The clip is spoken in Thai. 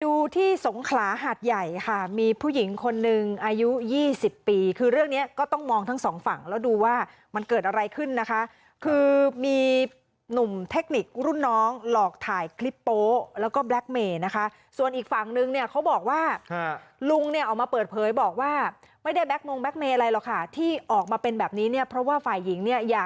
ดูที่สงขลาหาดใหญ่ค่ะมีผู้หญิงคนนึงอายุ๒๐ปีคือเรื่องเนี้ยก็ต้องมองทั้งสองฝั่งแล้วดูว่ามันเกิดอะไรขึ้นนะคะคือมีหนุ่มเทคนิครุ่นน้องหลอกถ่ายคลิปโป๊แล้วก็แบล็คเมย์นะคะส่วนอีกฝั่งนึงเนี่ยเขาบอกว่าลุงเนี่ยออกมาเปิดเผยบอกว่าไม่ได้แก๊กมงแก๊กเมย์อะไรหรอกค่ะที่ออกมาเป็นแบบนี้เนี่ยเพราะว่าฝ่ายหญิงเนี่ย